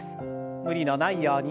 無理のないように。